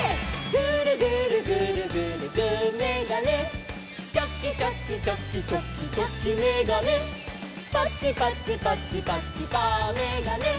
「グルグルグルグルグーめがね」「チョキチョキチョキチョキチョキめがね」「パチパチパチパチパーめがね」